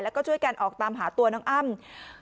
แล้วก็ช่วยกันออกตามหาตัวน้องอ้ำ